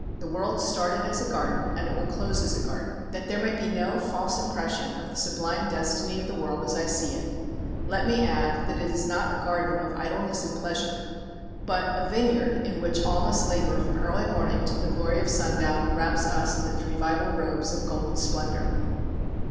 The world started as a garden and it will close as a garden. That there may be no false impression of the sublime destiny of the world as I see it, let me add that it is not a garden of idleness and pleasure, but a vineyard in which all must labour from early morning till the glory of sundown wraps us in its revival robes of golden splendour.